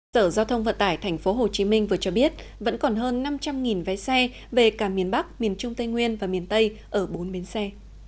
sở giao thông vận tải tp hcm vừa cho biết vẫn còn hơn năm trăm linh vé xe về cả miền bắc miền trung tây nguyên và miền tây ở bốn miếng xe